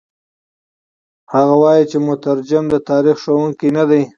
هغه وايي چې مترجم د تاریخ ښوونکی نه دی.